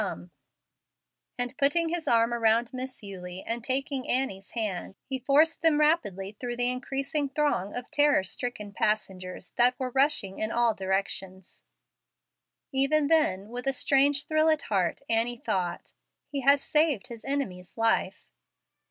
Come;" and putting his arm around Miss Eulie and taking Annie's hand, he forced them rapidly through the increasing throng of terror stricken passengers that were rushing in all directions. Even then, with a strange thrill at heart, Annie thought, "He has saved his enemy's life."